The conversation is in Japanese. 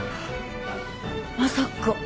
まさか。